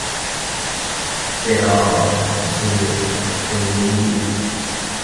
贝朗奥苏普伊利。